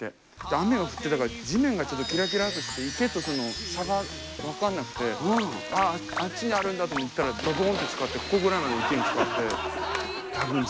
雨が降ってたから地面がちょっとキラキラッとして池とその差が分かんなくてああっちにあるんだと行ったらドボンッてつかってここぐらいまで池につかって。